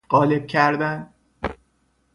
قالب کردن